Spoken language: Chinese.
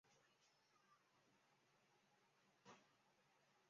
列表根据受控物质法设计。